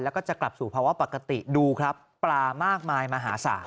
แล้วก็จะกลับสู่ภาวะปกติดูครับปลามากมายมหาศาล